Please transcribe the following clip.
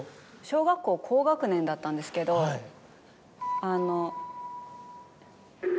小学校高学年だったんですけどあの。